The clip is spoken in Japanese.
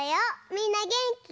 みんなげんき？